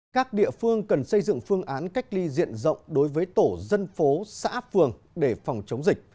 các địa phương cần xây dựng phương án cách ly diện rộng đối với tổ dân phố xã phường để phòng chống dịch